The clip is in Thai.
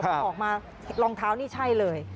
พอออกมารองเท้านี่ใช่เลย